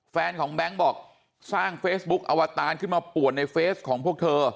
แฟนของแบงค์บอกสร้างเฟซบุ๊คอวตารขึ้นมาป่วนในเฟสของพวกเธอ